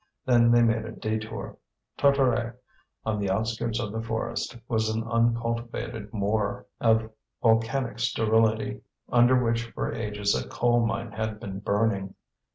Then they made a detour. Tartaret, on the outskirts of the forest, was an uncultivated moor, of volcanic sterility, under which for ages a coal mine had been burning.